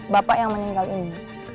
bapak yang meninggal ini